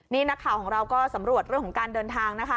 นี่นักข่าวของเราก็สำรวจเรื่องของการเดินทางนะคะ